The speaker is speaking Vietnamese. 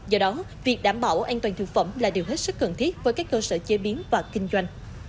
do đó việc đảm bảo an toàn thực phẩm là điều hết sức cần thiết với các cơ sở chế biến và kinh doanh